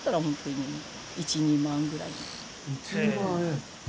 １２万円。